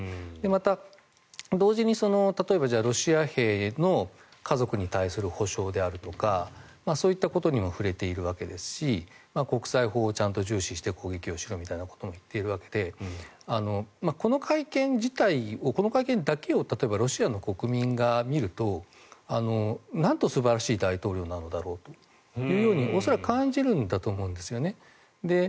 また同時に例えばロシア兵の家族に対する補償であるとかそういったことにも触れているわけですし国際法をちゃんと重視して攻撃を仕掛けたとも言っているわけでこの会見だけを例えばロシアの国民が見るとなんと素晴らしい大統領なのだろうと恐らく感じるんだと思うんですよね。